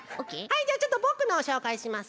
じゃあちょっとぼくのをしょうかいしますよ。